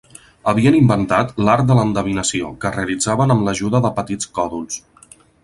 Havien inventat l'art de l'endevinació, que realitzaven amb l'ajuda de petits còdols.